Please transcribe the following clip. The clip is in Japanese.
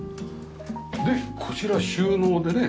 でこちら収納でね。